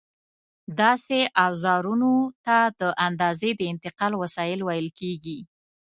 داسې اوزارونو ته د اندازې د انتقال وسایل ویل کېږي.